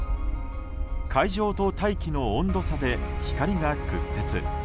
海上と大気の温度差で光が屈折。